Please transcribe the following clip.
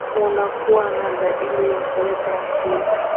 unakua na maadili ya kuweka hakiba